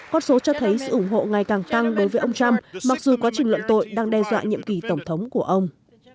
con số cho thấy sự ủng hộ ngày càng tăng đối với ông trump mặc dù quá trình luận tội đang đe dọa nhiệm kỳ tổng thống của ông